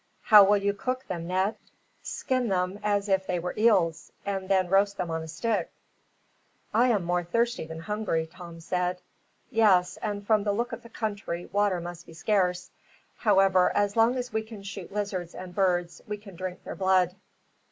"How will you cook them, Ned?" "Skin them as if they were eels, and then roast them on a stick." "I am more thirsty than hungry," Tom said. "Yes, and from the look of the country, water must be scarce. However, as long as we can shoot lizards and birds, we can drink their blood."